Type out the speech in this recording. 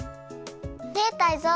ねえタイゾウ。